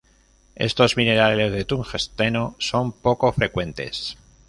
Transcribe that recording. Estos minerales de tungsteno son poco frecuentes.